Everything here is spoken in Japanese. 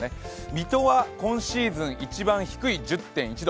水戸は今シーズン一番低い１０．１度。